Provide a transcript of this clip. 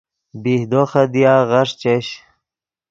بیہدو خدیا غیݰ چش